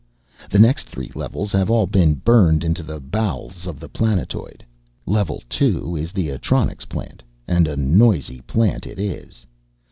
The next three levels have all been burned into the bowels of the planetoid. Level two is the Atronics plant, and a noisy plant it is.